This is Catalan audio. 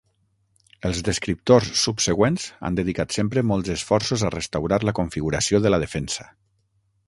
Els descriptors subsegüents han dedicat sempre molts esforços a restaurar la configuració de la defensa.